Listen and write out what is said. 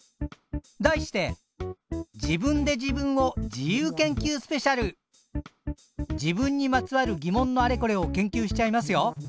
題して自分にまつわる疑問のあれこれを研究しちゃいますよ。